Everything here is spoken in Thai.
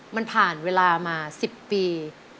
มันผ่านเวลามา๑๐ปี